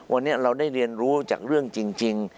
วันนี้เราได้เรียนรู้จากเรื่องจริง